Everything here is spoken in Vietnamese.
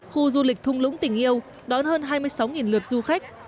khu du lịch thung lũng tỉnh yêu đón hơn hai mươi sáu lượt du khách